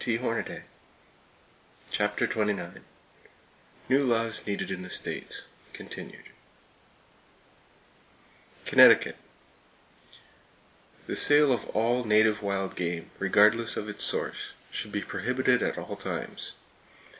[Page 275] CHAPTER XXIX NEW LAWS NEEDED IN THE STATES (Continued) Connecticut: The sale of all native wild game, regardless of its source, should be prohibited at all times.